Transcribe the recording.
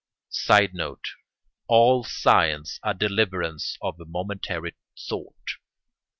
[Sidenote: All science a deliverance of momentary thought.